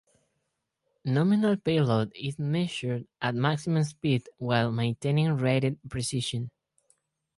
Nominal payload is measured at maximum speed while maintaining rated precision.